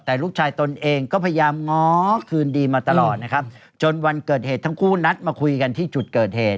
แต่ลูกชายตนเองก็พยายามง้อคืนดีมาตลอดนะครับจนวันเกิดเหตุทั้งคู่นัดมาคุยกันที่จุดเกิดเหตุ